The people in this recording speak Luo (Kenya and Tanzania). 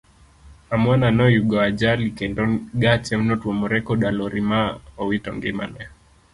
Amwana noyugo ajali kendo gache notuomore koda lori ma owito ngimane.